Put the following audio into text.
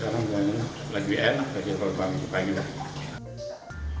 tapi sekarang buang airnya lagi enak